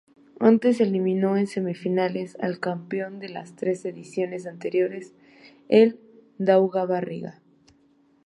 Antes eliminó en semifinales al campeón de las tres ediciones anteriores, el Daugava Riga.